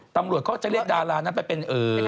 ตำรวจก็จะเรียกดารานั้นไปเป็น